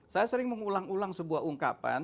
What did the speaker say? saya sering mengulang ulang sebuah ungkapan